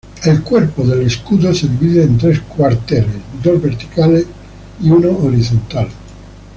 El cuerpo del escudo se divide en tres cuarteles, dos verticales y uno horizontal.